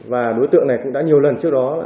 và đối tượng này cũng đã nhiều lần trước đó